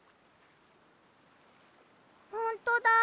ほんとだ。